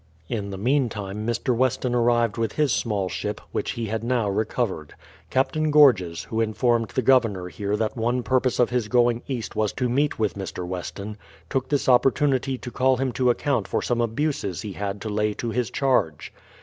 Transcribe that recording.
In the meantime Mr. Weston arrived with his small ship, which he had now recovered. Captain Gorges, who in formed the Governor here that one purpose of his going east was to meet with Mr. Weston, took this opportunity to call him to account for some abuses he had to lay to his charge.